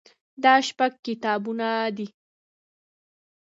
دا شپږ کتابونه دي.